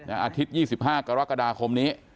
อาทิตย์๒๕กรกฎาคมนี้